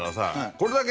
これだけ。